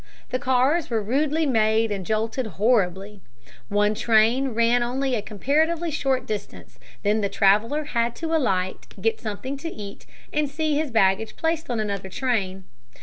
The cars were rudely made and jolted horribly. One train ran only a comparatively short distance. Then the traveler had to alight, get something to eat, and see his baggage placed on another train.